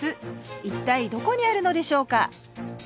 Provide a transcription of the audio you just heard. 一体どこにあるのでしょうか？